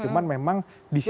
cuman memang di sini